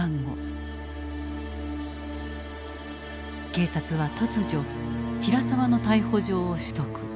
警察は突如平沢の逮捕状を取得。